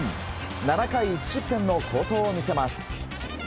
７回１失点の好投を見せます。